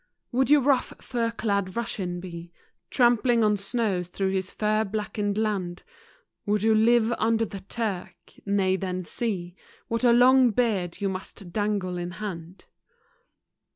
Would you a rough fur clad Russian be, Trampling on snows thro' his fir blacken'd land : Would you live under the Turk, nay then see What a long beard you must dangle in hand.